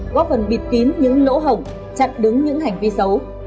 góp phần bịt kín những lỗ hổng chặn đứng những hành vi xấu